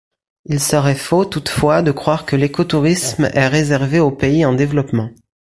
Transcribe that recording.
Il serait faux toutefois de croire que l'écotourisme est réservé aux pays en développement.